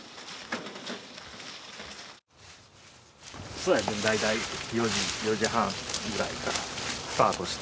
そうですね大体４時４時半ぐらいからスタートして。